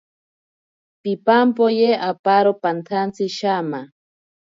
Pimpampoye aparo pantsantsi shama.